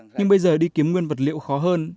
nhưng bây giờ đi kiếm nguyên vật liệu khó hơn